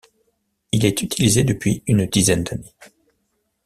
Il est utilisé depuis une dizaine d'années.